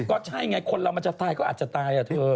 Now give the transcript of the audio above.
ก็ใช่ไงคนเรามันจะตายก็อาจจะตายอ่ะเธอ